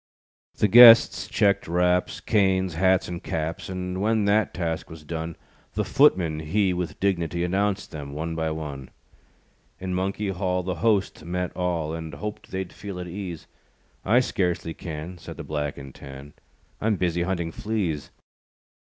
The guests checked wraps, Canes, hats and caps; And when that task was done, The footman he With dignitee, Announced them one by one. In Monkey Hall, The host met all, And hoped they'd feel at ease, "I scarcely can," Said the Black and Tan, "I'm busy hunting fleas."